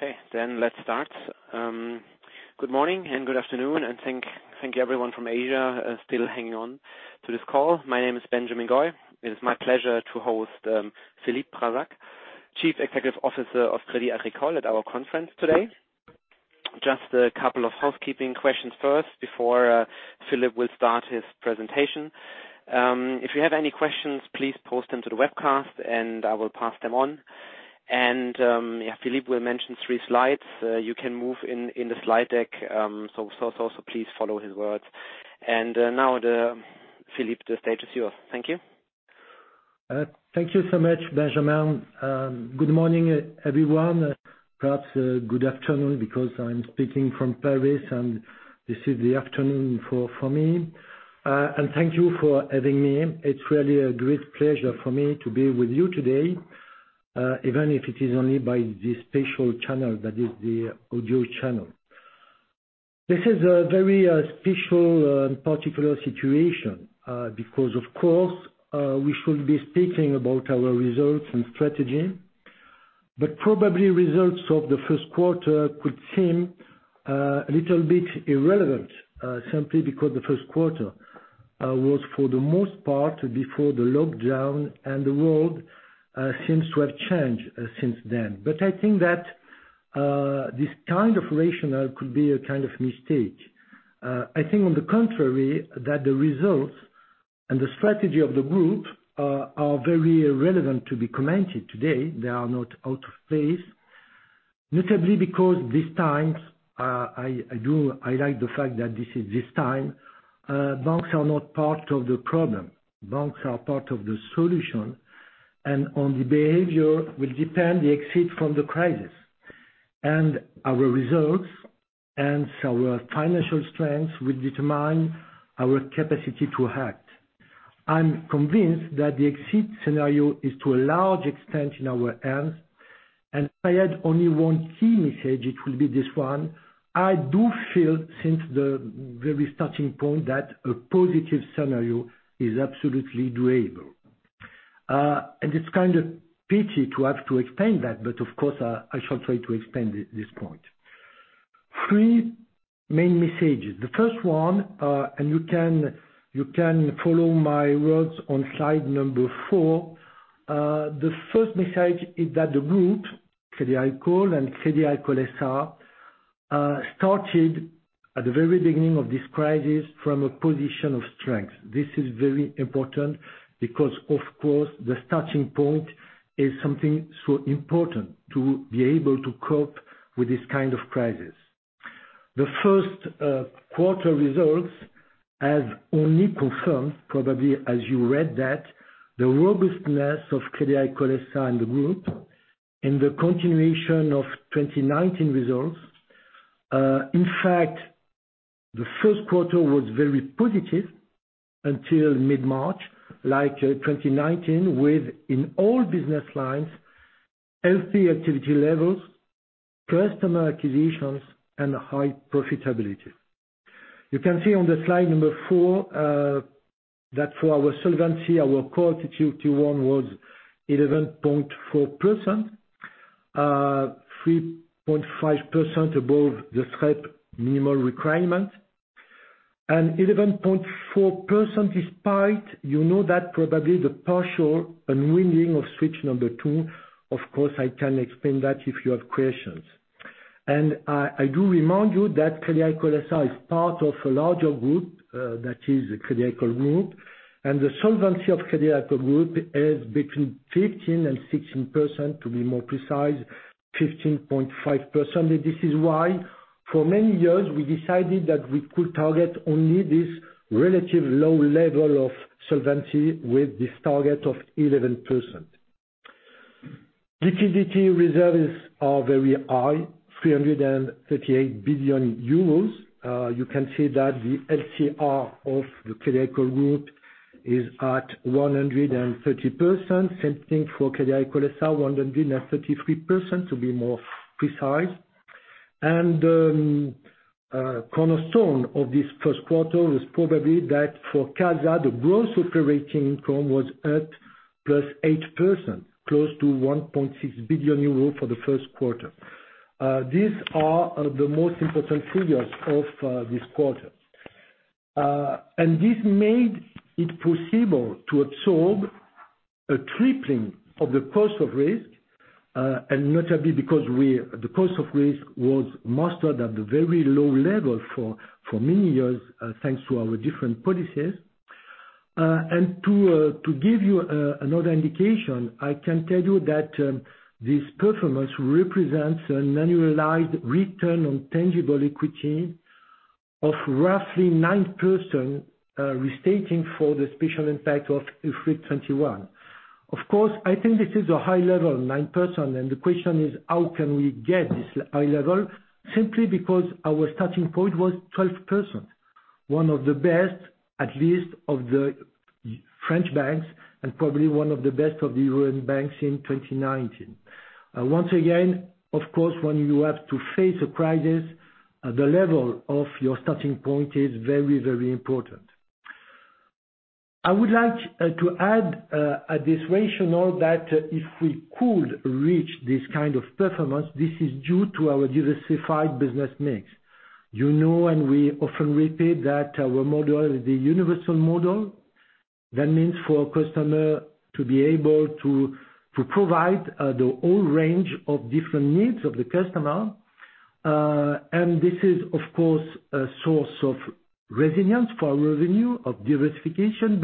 Okay, let's start. Good morning and good afternoon, thank everyone from Asia still hanging on to this call. My name is Benjamin Goy. It is my pleasure to host Philippe Brassac, Chief Executive Officer of Crédit Agricole at our conference today. Just a couple of housekeeping questions first before Philippe will start his presentation. If you have any questions, please post them to the webcast, and I will pass them on. Philippe will mention three slides. You can move in the slide deck, please follow his words. Now, Philippe, the stage is yours. Thank you. Thank you so much, Benjamin. Good morning, everyone. Perhaps good afternoon because I'm speaking from Paris, and this is the afternoon for me. Thank you for having me. It's really a great pleasure for me to be with you today, even if it is only by this special channel, that is the audio channel. This is a very special and particular situation, because of course, we should be speaking about our results and strategy, but probably results of the first quarter could seem a little bit irrelevant, simply because the first quarter was for the most part, before the lockdown, and the world seems to have changed since then. I think that this kind of rationale could be a kind of mistake. I think on the contrary, that the results and the strategy of the group are very relevant to be commented today. They are not out of phase, notably because these times, I like the fact that this time, banks are not part of the problem. Banks are part of the solution. On the behavior will depend the exit from the crisis. Our results and our financial strength will determine our capacity to act. I'm convinced that the exit scenario is to a large extent in our hands, and if I had only one key message, it will be this one. I do feel since the very starting point that a positive scenario is absolutely doable. It's kind of pity to have to explain that, but of course, I shall try to explain this point. Three main messages. The first one, and you can follow my words on slide number four. The first message is that the group, Crédit Agricole and Crédit Agricole S.A., started at the very beginning of this crisis from a position of strength. This is very important because, of course, the starting point is something so important to be able to cope with this kind of crisis. The first quarter results have only confirmed, probably as you read that, the robustness of Crédit Agricole S.A. and the group in the continuation of 2019 results. In fact, the first quarter was very positive until mid-March, like 2019, with, in all business lines, healthy activity levels, customer acquisitions, and high profitability. You can see on the slide number four, that for our solvency, our core CET1 was 11.4%, 3.5% above the SREP minimal requirement, and 11.4%, despite, you know that probably, the partial unwinding of switch number two. Of course, I can explain that if you have questions. I do remind you that Crédit Agricole S.A. is part of a larger group, that is Crédit Agricole Group, and the solvency of Crédit Agricole Group is between 15% and 16%, to be more precise, 15.5%. This is why for many years, we decided that we could target only this relative low level of solvency with this target of 11%. Liquidity reserves are very high, 338 billion euros. You can see that the LCR of the Crédit Agricole Group is at 130%, same thing for Crédit Agricole S.A., 133% to be more precise. Cornerstone of this first quarter was probably that for CASA, the gross operating income was at +8%, close to 1.6 billion euros for the first quarter. These are the most important figures of this quarter. This made it possible to absorb a tripling of the cost of risk, and notably because the cost of risk was mastered at the very low level for many years, thanks to our different policies. To give you another indication, I can tell you that this performance represents an annualized return on tangible equity of roughly 9%, restating for the special impact of IFRIC 21. Of course, I think this is a high level, 9%. The question is, how can we get this high level? Simply because our starting point was 12%, one of the best, at least of the French banks, and probably one of the best of the European banks in 2019. Once again, of course, when you have to face a crisis, the level of your starting point is very, very important. I would like to add this rationale that if we could reach this kind of performance, this is due to our diversified business mix. You know, we often repeat that our model is the universal model. That means for customer to be able to provide the whole range of different needs of the customer. This is, of course, a source of resilience for our revenue of diversification.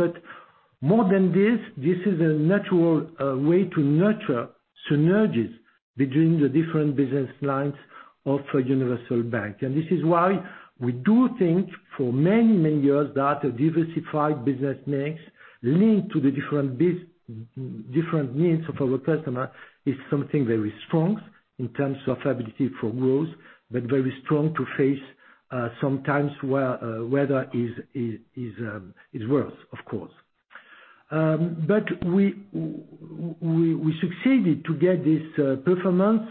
More than this is a natural way to nurture synergies between the different business lines of a universal bank. This is why we do think for many, many years that a diversified business mix linked to the different needs of our customer is something very strong in terms of ability for growth, but very strong to face, sometimes where weather is worse, of course. We succeeded to get this performance,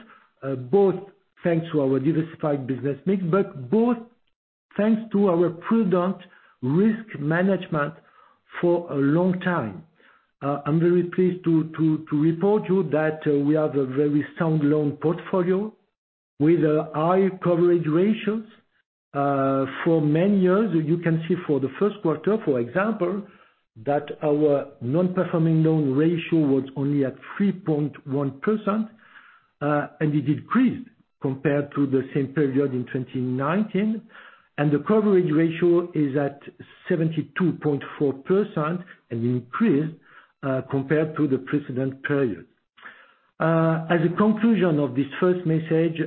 both thanks to our diversified business mix, but both thanks to our prudent risk management for a long time. I'm very pleased to report you that we have a very sound loan portfolio with high coverage ratios. For many years, you can see for the first quarter, for example, that our non-performing loan ratio was only at 3.1%, and it decreased compared to the same period in 2019, and the coverage ratio is at 72.4% and increased, compared to the precedent period. As a conclusion of this first message,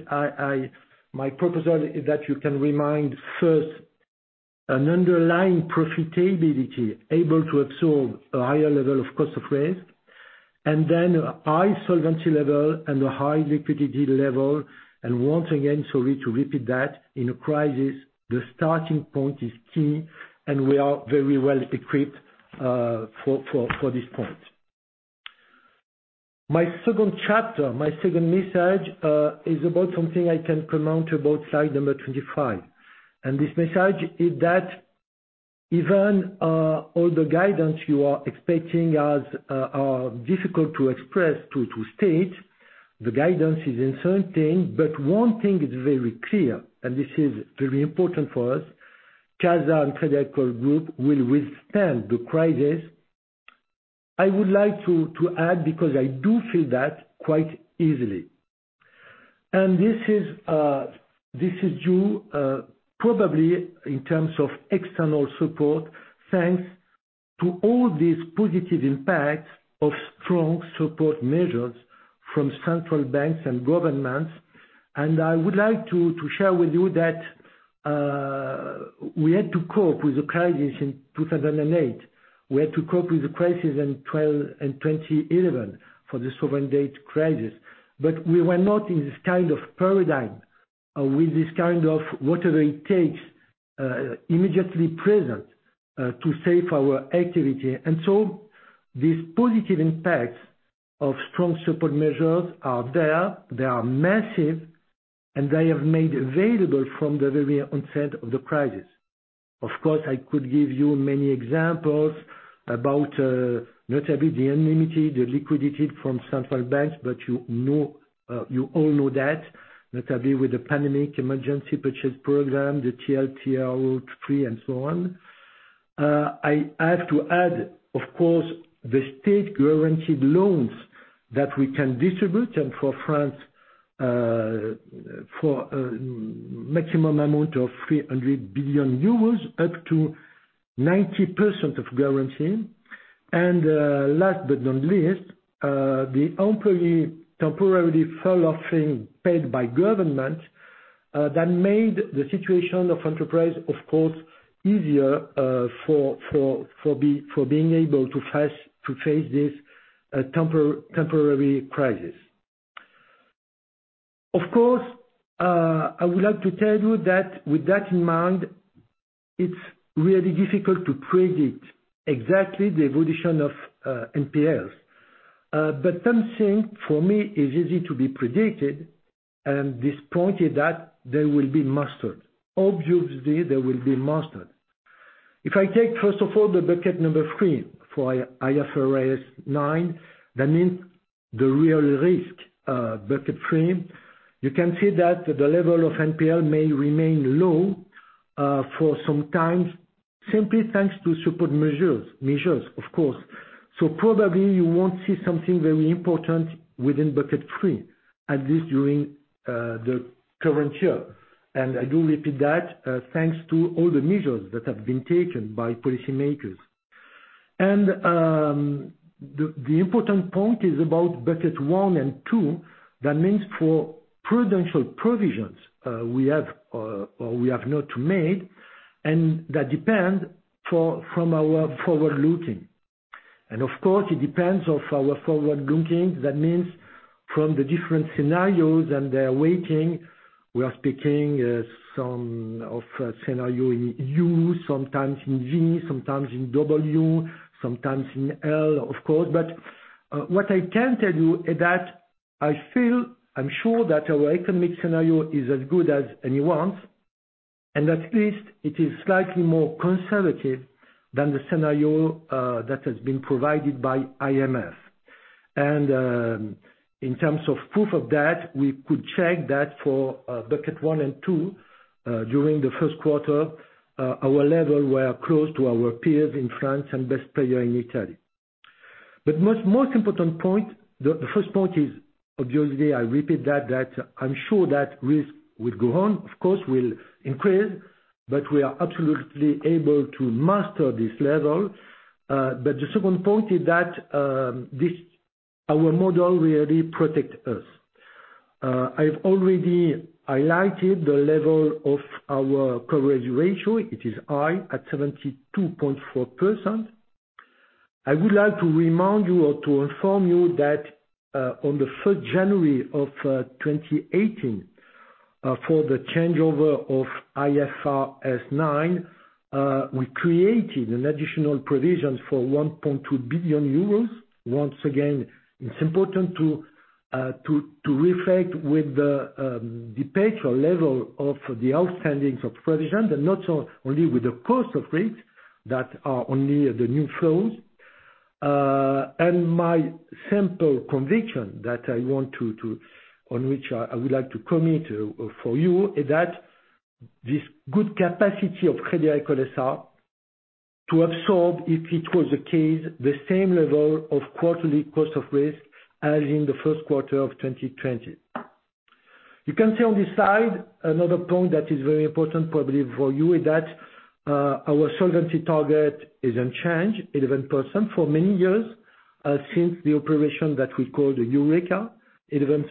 my proposal is that you can remind first an underlying profitability able to absorb a higher level of cost of risk, then a high solvency level and a high liquidity level. Once again, sorry to repeat that, in a crisis, the starting point is key, and we are very well equipped for this point. My second chapter, my second message, is about something I can comment about slide number 25. This message is that even all the guidance you are expecting as are difficult to express to state, the guidance is uncertain. One thing is very clear, and this is very important for us, CASA and Crédit Agricole Group will withstand the crisis. I would like to add, because I do feel that quite easily, this is due, probably in terms of external support, thanks to all these positive impacts of strong support measures from central banks and governments. I would like to share with you that we had to cope with the crisis in 2008. We had to cope with the crisis in 2011 for the sovereign debt crisis. We were not in this kind of paradigm with this kind of whatever it takes, immediately present, to save our activity. These positive impacts of strong support measures are there, they are massive, and they have made available from the very onset of the crisis. Of course, I could give you many examples about notably the unlimited liquidity from central banks, but you all know that. Notably with the Pandemic Emergency Purchase Program, the TLTRO3, and so on. I have to add, of course, the state-guaranteed loans that we can distribute, for France, for maximum amount of 300 billion euros, up to 90% of guarantee. Last but not least, the employee temporarily furlough thing paid by government, that made the situation of enterprise, of course, easier for being able to face this temporary crisis. Of course, I would like to tell you that with that in mind, it's really difficult to predict exactly the evolution of NPLs. Something for me is easy to be predicted. This point is that they will be mastered. Obviously, they will be mastered. If I take, first of all, the bucket number three for IFRS9, that means the real risk, bucket three. You can see that the level of NPL may remain low for some time simply thanks to support measures, of course. Probably you won't see something very important within bucket three, at least during the current year. I do repeat that, thanks to all the measures that have been taken by policymakers. The important point is about bucket one and two. That means for prudential provisions, we have or we have not made, and that depend from our forward-looking. Of course, it depends of our forward-looking. That means from the different scenarios and their weighting, we are speaking some of scenario in U, sometimes in V, sometimes in W, sometimes in L, of course. What I can tell you is that I feel, I'm sure that our economic scenario is as good as anyone's. At least it is slightly more conservative than the scenario that has been provided by IMF. In terms of proof of that, we could check that for bucket 1 and 2 during the first quarter, our levels were close to our peers in France and best player in Italy. Most important point, the first point is obviously, I repeat that, I'm sure that risk will go on, of course will increase, but we are absolutely able to master this level. The second point is that our model really protects us. I've already highlighted the level of our coverage ratio. It is high, at 72.4%. I would like to remind you or to inform you that on the 1st January of 2018, for the changeover of IFRS 9, we created an additional provision for 1.2 billion euros. Once again, it's important to reflect with the prudent level of the outstandings of provision, not only with the cost of risk that are only the new flows. My firm conviction that I want to on which I would like to commit for you is that this good capacity of Crédit Agricole S.A. to absorb, if it was the case, the same level of quarterly cost of risk as in the first quarter of 2020. You can see on this slide another point that is very important probably for you is that our solvency target is unchanged, 11%, for many years, since the operation that we call the Eureka, 11%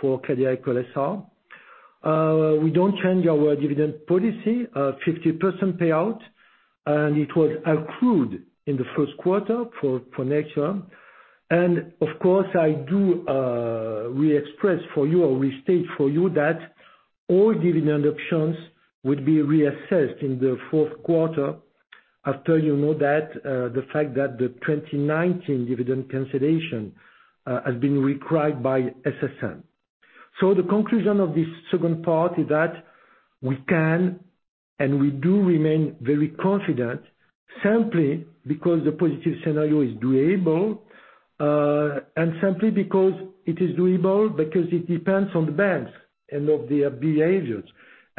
for Crédit Agricole S.A. We don't change our dividend policy, 50% payout, it was accrued in the first quarter for next year. Of course, I do re-express for you or restate for you that all dividend options would be reassessed in the fourth quarter after you know that the fact that the 2019 dividend cancellation has been required by SSM. The conclusion of this second part is that we can, and we do remain very confident, simply because the positive scenario is doable, and simply because it is doable, because it depends on the banks and of their behaviors.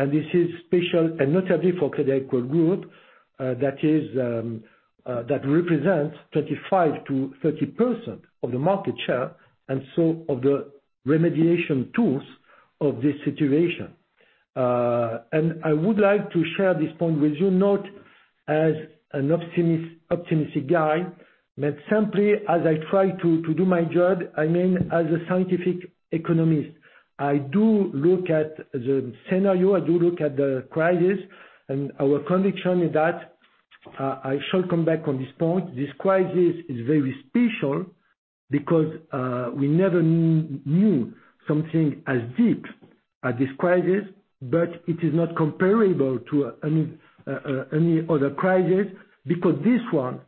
This is special and notably for Crédit Agricole Group, that represents 35%-30% of the market share, and so of the remediation tools of this situation. I would like to share this point with you, not as an optimistic guy, but simply as I try to do my job, I mean, as a scientific economist. I do look at the scenario, I do look at the crisis, and our conviction is that I shall come back on this point. This crisis is very special because we never knew something as deep as this crisis, but it is not comparable to any other crisis because this one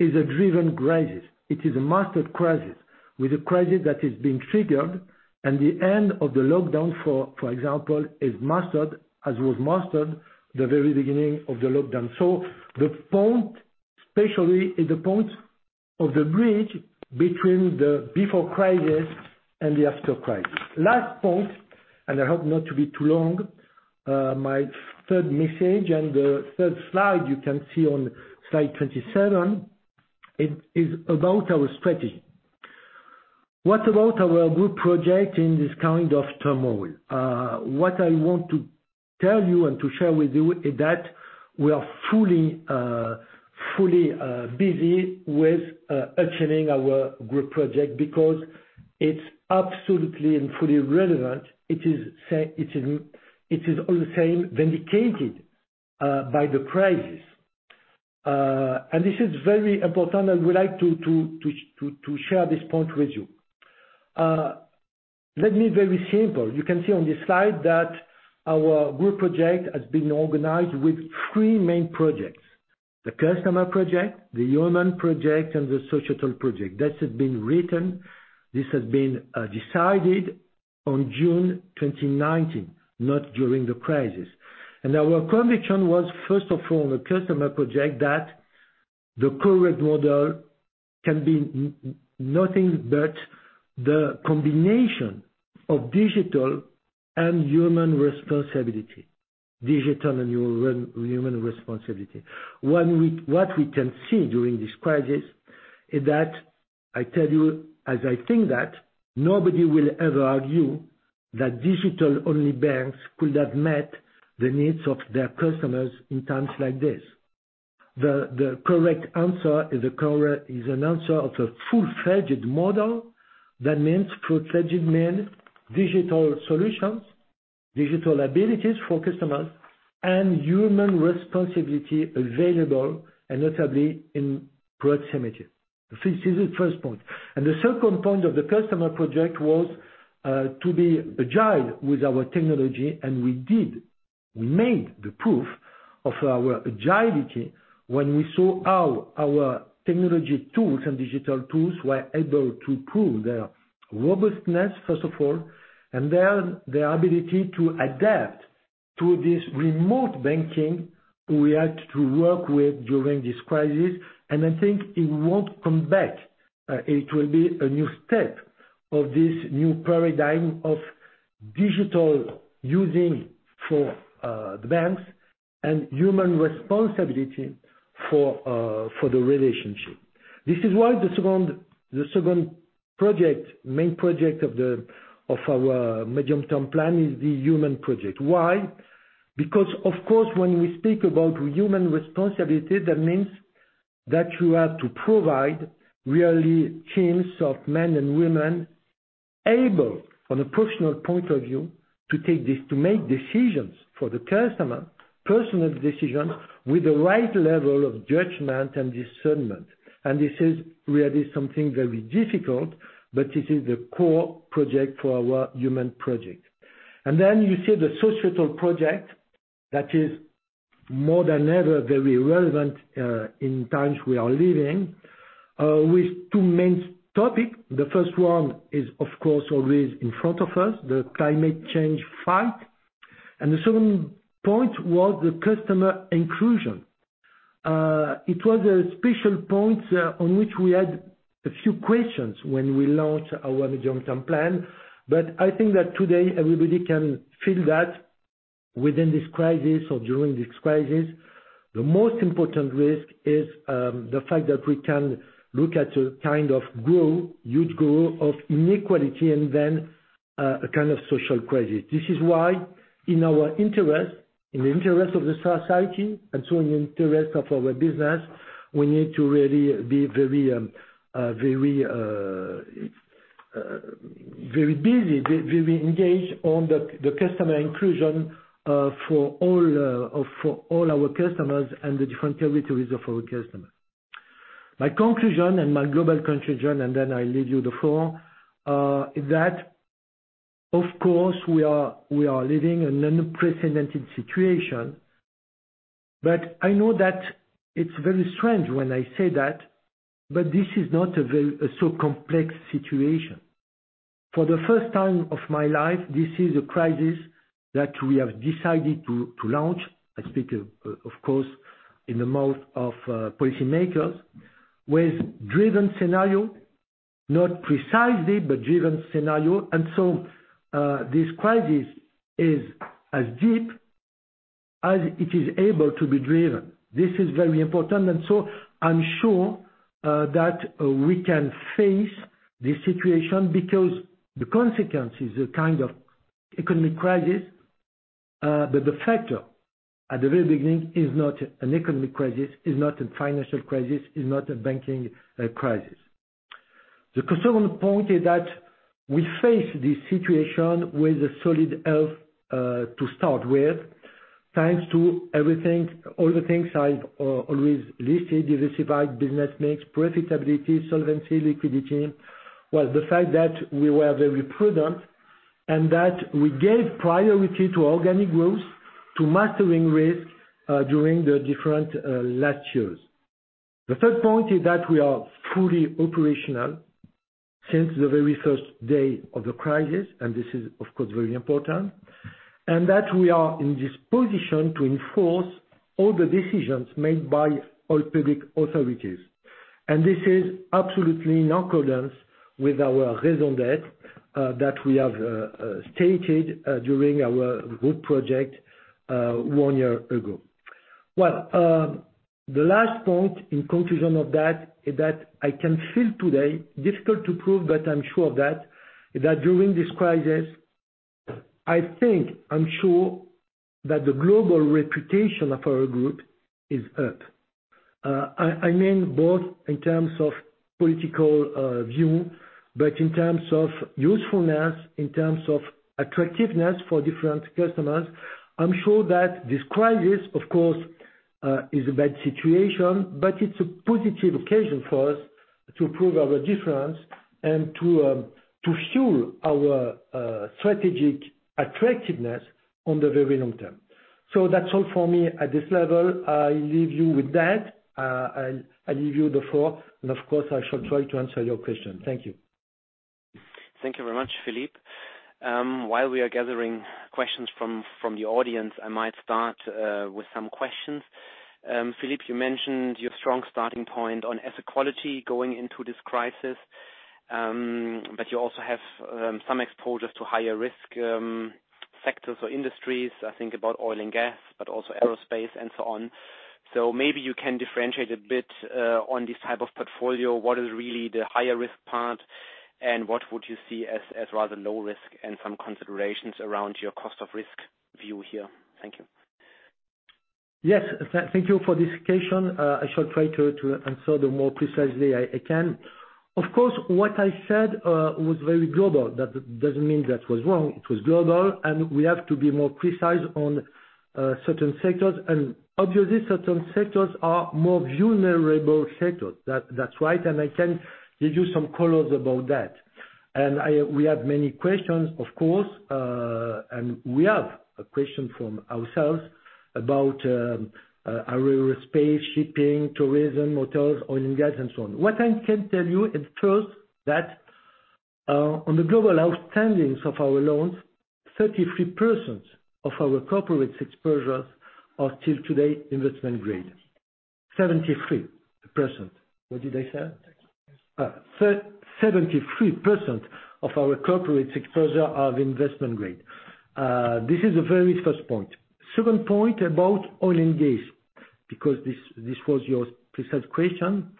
is a driven crisis. It is a mastered crisis, with a crisis that is being triggered, and the end of the lockdown, for example, is mastered as was mastered the very beginning of the lockdown. The point, especially, is the point of the bridge between the before crisis and the after crisis. Last point, and I hope not to be too long, my third message and the third slide you can see on slide 27, it is about our strategy. What about our group project in this kind of turmoil? What I want to tell you and to share with you is that we are fully busy with achieving our group project because it's absolutely and fully relevant. It is all the same vindicated by the crisis. This is very important. I would like to share this point with you. Let me very simple. You can see on this slide that our group project has been organized with three main projects. The customer project, the human project, and the societal project. This has been written. This has been decided on June 2019, not during the crisis. Our conviction was, first of all, the customer project that the correct model can be nothing but the combination of digital and human responsibility. What we can see during this crisis is that I tell you as I think that nobody will ever argue that digital-only banks could have met the needs of their customers in times like this. The correct answer is an answer of a full-fledged model. Full-fledged means digital solutions, digital abilities for customers, and human responsibility available and notably in proximity. This is the first point. The second point of the customer project was, to be agile with our technology, and we did. We made the proof of our agility when we saw how our technology tools and digital tools were able to prove their robustness, first of all, and then their ability to adapt to this remote banking we had to work with during this crisis, and I think it won't come back. It will be a new step of this new paradigm of digital using for the banks, and human responsibility for the relationship. This is why the second main project of our medium-term plan is the human project. Why? Because, of course, when we speak about human responsibility, that means that you have to provide really teams of men and women able, from a personal point of view, to make decisions for the customer, personal decisions, with the right level of judgment and discernment. This is really something very difficult, but it is the core project for our human project. You see the societal project, that is more than ever very relevant in times we are living, with two main topics. The first one is, of course, always in front of us, the climate change fight. The second point was the customer inclusion. It was a special point on which we had a few questions when we launched our medium-term plan. I think that today everybody can feel that within this crisis or during this crisis, the most important risk is the fact that we can look at a kind of huge growth of inequality and then a kind of social crisis. This is why in our interest, in the interest of the society, and so in the interest of our business, we need to really be very busy, very engaged on the customer inclusion for all our customers and the different territories of our customers. My conclusion, and my global conclusion, and then I leave you the floor, is that, of course, we are living an unprecedented situation, but I know that it's very strange when I say that, but this is not a so complex situation. For the first time of my life, this is a crisis that we have decided to launch. I speak, of course, in the mouth of policymakers, with driven scenario, not precisely, but driven scenario. This crisis is as deep as it is able to be driven. This is very important, and so I'm sure that we can face this situation because the consequences, the kind of economic crisis, that the factor at the very beginning is not an economic crisis, is not a financial crisis, is not a banking crisis. The second point is that we face this situation with a solid health to start with, thanks to all the things I've always listed, diversified business mix, profitability, solvency, liquidity. Well, the fact that we were very prudent and that we gave priority to organic growth, to mastering risk during the different last years. The third point is that we are fully operational since the very first day of the crisis, and this is, of course, very important, and that we are in this position to enforce all the decisions made by all public authorities. This is absolutely in accordance with our raison d'être that we have stated during our group project one year ago. Well, the last point in conclusion of that is that I can feel today, difficult to prove, but I'm sure of that during this crisis, I think, I'm sure that the global reputation of our group is up. I mean both in terms of political view, but in terms of usefulness, in terms of attractiveness for different customers. I'm sure that this crisis, of course, is a bad situation, but it's a positive occasion for us to prove our difference and to fuel our strategic attractiveness on the very long term. That's all for me at this level. I leave you with that. I leave you the floor, and of course, I shall try to answer your question. Thank you. Thank you very much, Philippe. While we are gathering questions from the audience, I might start with some questions. Philippe, you mentioned your strong starting point on asset quality going into this crisis, You also have some exposure to higher risk sectors or industries. I think about oil and gas, also aerospace and so on. Maybe you can differentiate a bit on this type of portfolio. What is really the higher risk part, What would you see as rather low risk and some considerations around your cost of risk view here? Thank you. Yes. Thank you for this question. I shall try to answer the more precisely I can. Of course, what I said was very global. That doesn't mean that was wrong. It was global, we have to be more precise on certain sectors. obviously, certain sectors are more vulnerable sectors. That's right, and I can give you some colors about that. we have many questions, of course, and we have a question from ourselves about aerospace, shipping, tourism, hotels, oil and gas, and so on. What I can tell you at first, that on the global outstandings of our loans, 33% of our corporate exposures are till today investment grade, 73%. What did I say? 73%. 73% of our corporate exposure are investment grade. This is the very first point. Second point about oil and gas, because this was your precise question.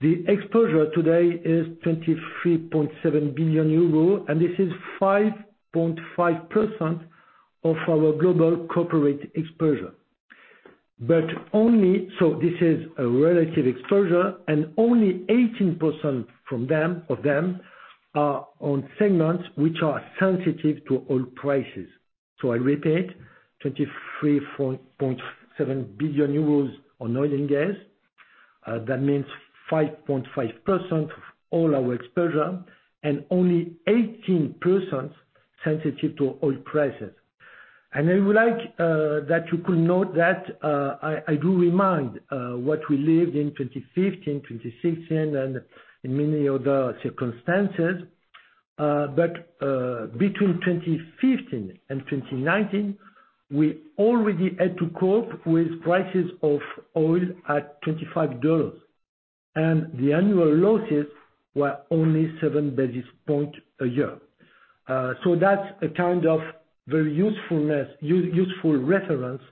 The exposure today is 23.7 billion euro. This is 5.5% of our global corporate exposure. This is a relative exposure, and only 18% of them are on segments which are sensitive to oil prices. I repeat, 23.7 billion euros on oil and gas, that means 5.5% of all our exposure and only 18% sensitive to oil prices. I would like that you could note that I do remind what we lived in 2015, 2016, and in many other circumstances. Between 2015 and 2019, we already had to cope with prices of oil at $25. The annual losses were only seven basis points a year. That's a kind of very useful reference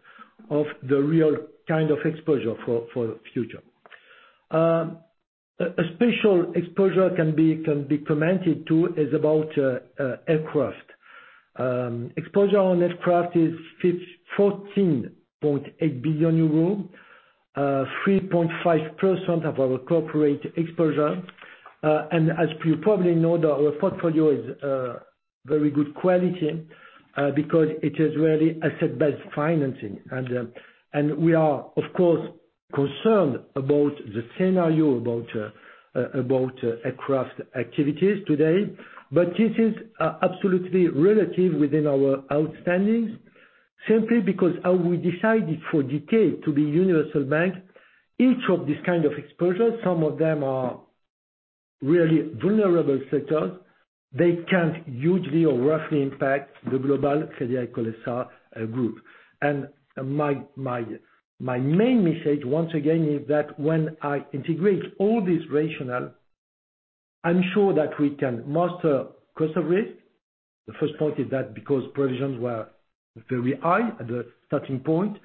of the real kind of exposure for future. A special exposure can be commented too, is about aircraft. Exposure on aircraft is 14.8 billion euro, 3.5% of our corporate exposure. As you probably know, our portfolio is very good quality, because it is really asset-based financing. We are, of course, concerned about the scenario about aircraft activities today. This is absolutely relative within our outstandings, simply because how we decided for decade to be universal bank, each of these kind of exposures, some of them are really vulnerable sectors. They can't hugely or roughly impact the global Crédit Agricole Group. My main message, once again, is that when I integrate all this rationale, I'm sure that we can master cost of risk. The first point is that because provisions were very high at the starting point,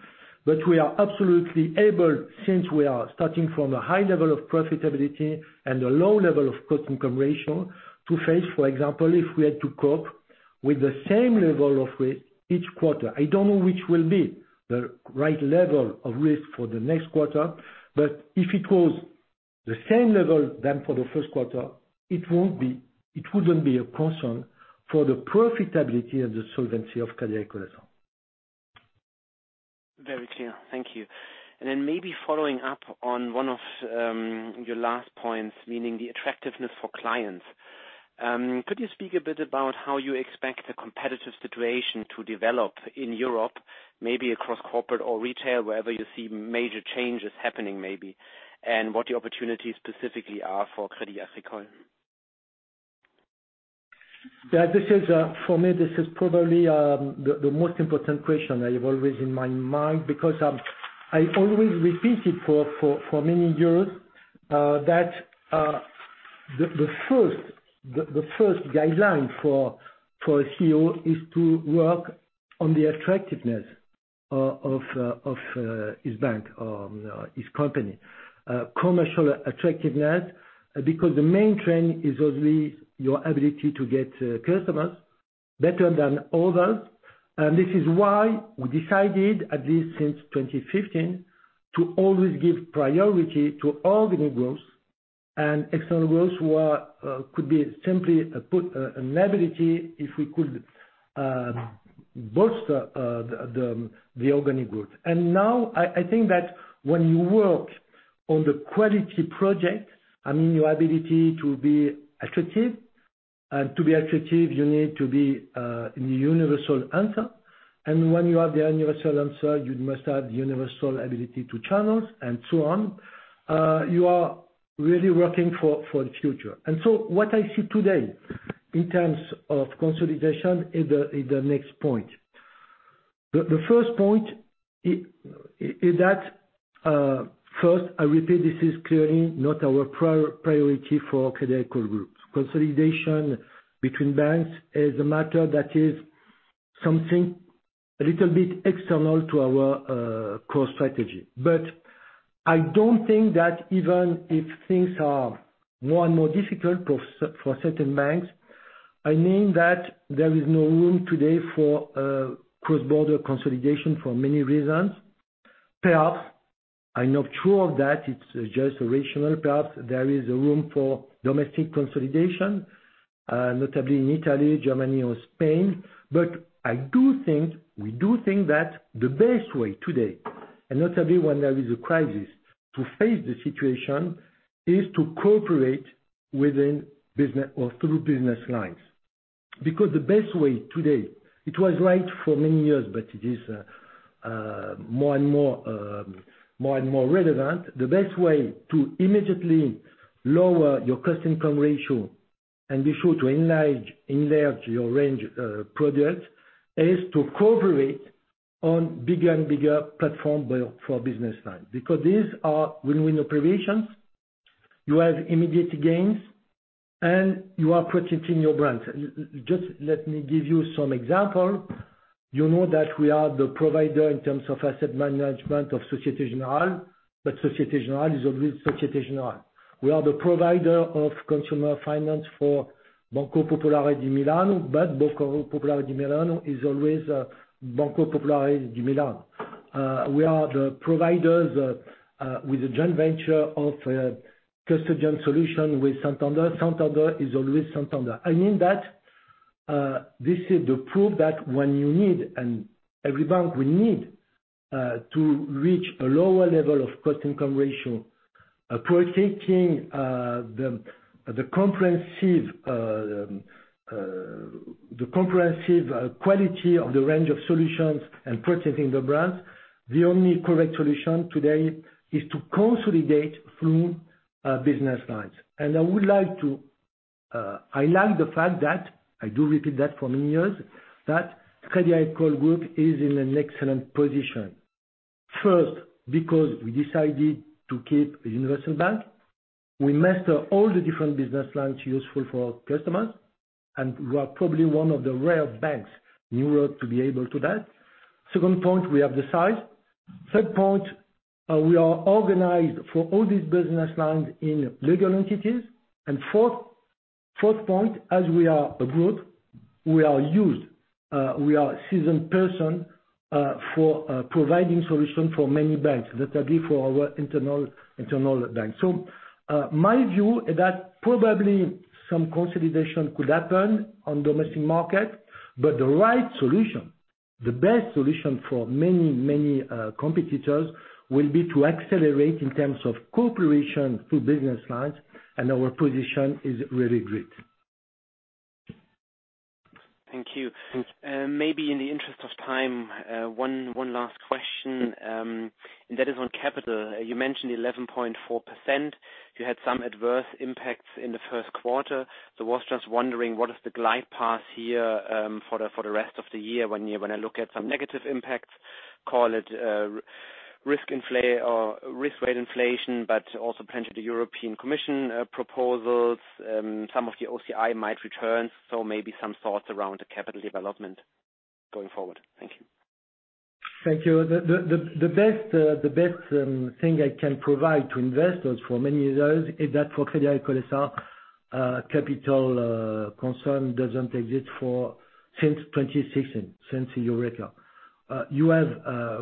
but we are absolutely able, since we are starting from a high level of profitability and a low level of cost-income ratio, to face, for example, if we had to cope with the same level of risk each quarter. I don't know which will be the right level of risk for the next quarter, but if it was the same level than for the first quarter, it wouldn't be a concern for the profitability and the solvency of Crédit Agricole. Very clear. Thank you. Maybe following up on one of your last points, meaning the attractiveness for clients. Could you speak a bit about how you expect the competitive situation to develop in Europe, maybe across corporate or retail, wherever you see major changes happening maybe, and what the opportunities specifically are for Crédit Agricole? For me, this is probably the most important question I have always in my mind, because I always repeat it for many years, that the first guideline for a CEO is to work on the attractiveness of his bank or his company. Commercial attractiveness, because the main trend is obviously your ability to get customers better than others. This is why we decided, at least since 2015, to always give priority to all the new growth, and external growth could be simply put a liability if we could bolster the organic growth. Now, I think that when you work on the quality project, your ability to be attractive, and to be attractive, you need to be a universal answer. When you are the universal answer, you must have universal ability to channels and so on. You are really working for the future. What I see today in terms of consolidation is the next point. The first point is that, first, I repeat, this is clearly not our priority for Crédit Agricole Group. Consolidation between banks is a matter that is something a little bit external to our core strategy. I don't think that even if things are more and more difficult for certain banks, I mean that there is no room today for cross-border consolidation for many reasons. Perhaps, I'm not sure of that, perhaps there is a room for domestic consolidation, notably in Italy, Germany, or Spain. We do think that the best way today, and notably when there is a crisis to face the situation is to cooperate through business lines. The best way today, it was right for many years, but it is more and more relevant. The best way to immediately lower your cost-income ratio and be sure to enlarge your range of products is to cooperate on bigger and bigger platform for business line, because these are win-win operations. You have immediate gains, and you are protecting your brand. Just let me give you some example. You know that we are the provider in terms of asset management of Société Générale, but Société Générale is always Société Générale. We are the provider of consumer finance for Banco Popolare, but Banco Popolare is always Banco Popolare. We are the providers, with a joint venture of custodian solution with Santander. Santander is always Santander. I mean that this is the proof that when you need, and every bank will need, to reach a lower level of cost-income ratio, protecting the comprehensive quality of the range of solutions and protecting the brands, the only correct solution today is to consolidate through business lines. I like the fact that, I do repeat that for many years, that Crédit Agricole Group is in an excellent position. First, because we decided to keep a universal bank. We master all the different business lines useful for customers, and we are probably one of the rare banks in Europe to be able to do that. Second point, we have the size. Third point, we are organized for all these business lines in legal entities. Fourth point, as we are a group, we are used. We are seasoned person for providing solution for many banks, notably for our internal banks. My view is that probably some consolidation could happen on domestic market, but the right solution, the best solution for many competitors, will be to accelerate in terms of cooperation through business lines, and our position is really great. Thank you. Maybe in the interest of time, one last question, and that is on capital. You mentioned 11.4%, you had some adverse impacts in the first quarter, I was just wondering, what is the glide path here for the rest of the year when I look at some negative impacts, call it risk weight inflation, but also plenty of the European Commission proposals, some of the OCI might return, maybe some thoughts around the capital development going forward. Thank you. Thank you. The best thing I can provide to investors for many years is that for Crédit Agricole S.A., capital concern doesn't exist since 2016, since Eureka. You have,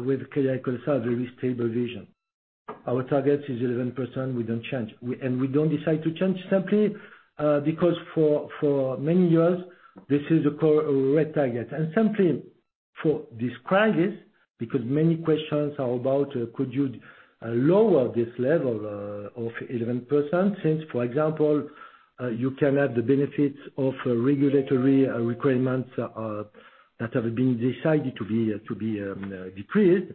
with Crédit Agricole S.A., a very stable vision. Our target is 11%, we don't change. We don't decide to change simply because for many years, this is the correct target. Simply for this crisis, because many questions are about could you lower this level of 11% since, for example, you can have the benefits of regulatory requirements that have been decided to be decreased.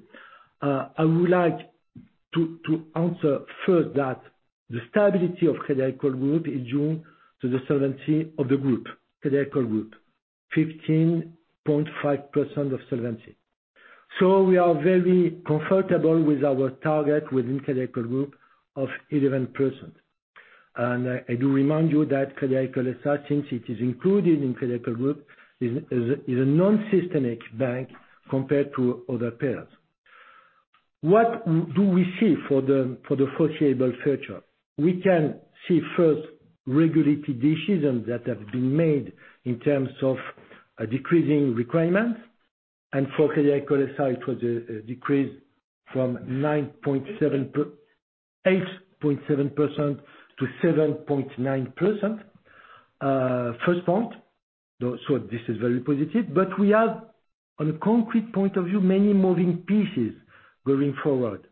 I would like to answer first that the stability of Crédit Agricole Group is due to the solvency of the group, Crédit Agricole Group, 15.5% of solvency. We are very comfortable with our target within Crédit Agricole Group of 11%. I do remind you that Crédit Agricole S.A., since it is included in Crédit Agricole Group, is a non-systemic bank compared to other peers. What do we see for the foreseeable future? We can see first regulatory decisions that have been made in terms of decreasing requirements. For Crédit Agricole S.A., it was a decrease from 8.7% to 7.9%, first point. This is very positive, but we have, on a concrete point of view, many moving pieces going forward.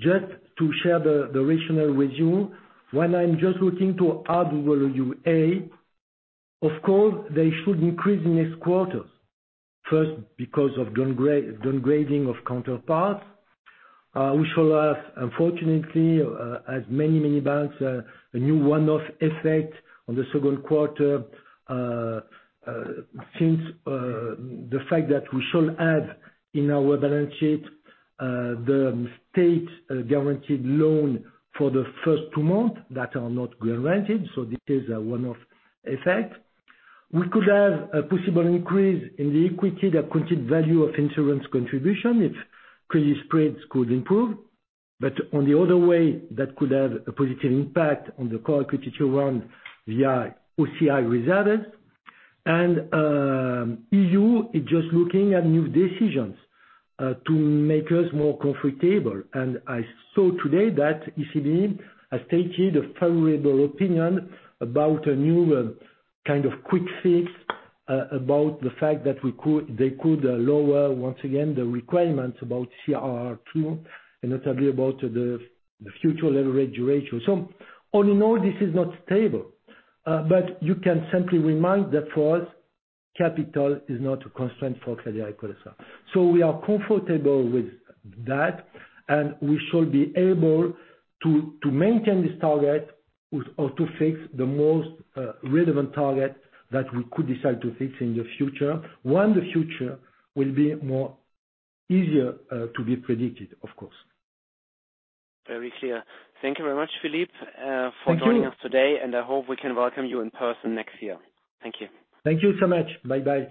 Just to share the rationale with you, when I'm just looking to RWA, of course, they should increase next quarters. First, because of downgrading of counterparts. We shall have, unfortunately, as many banks, a new one-off effect on the second quarter, since the fact that we shall have in our balance sheet the state-guaranteed loan for the first two months that are not guaranteed. This is a one-off effect. We could have a possible increase in the equity, the accounted value of insurance contribution if credit spreads could improve. On the other way, that could have a positive impact on the CET1 via OCI reserves. EU is just looking at new decisions to make us more comfortable. I saw today that ECB has stated a favorable opinion about a new kind of quick fix about the fact that they could lower, once again, the requirements about CRR 2, and notably about the future leverage ratio. All in all, this is not stable. You can simply remind that for us, capital is not a constraint for Crédit Agricole S.A. We are comfortable with that, and we shall be able to maintain this target or to fix the most relevant target that we could decide to fix in the future, when the future will be more easier to be predicted, of course. Very clear. Thank you very much, Philippe. Thank you. For joining us today, and I hope we can welcome you in person next year. Thank you. Thank you so much. Bye-bye.